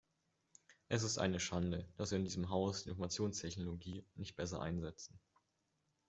Es ist eine Schande, dass wir in diesem Hause die Informationstechnologie nicht besser einsetzen.